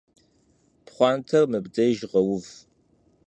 Pxhuanter mıbdêjj ğeuv.